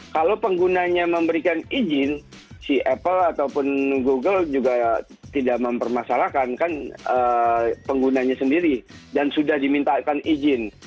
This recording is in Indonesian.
kalau penggunanya memberikan izin si apple ataupun google juga tidak mempermasalahkan kan penggunanya sendiri dan sudah dimintakan izin